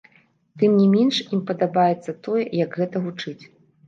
Тым не менш, ім падабаецца тое, як гэта гучыць.